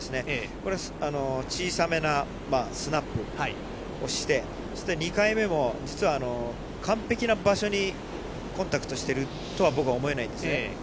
これ、小さめなスナップをして、そして、２回目も実は、完璧な場所にコンタクトしてるとは、僕は思えないんです。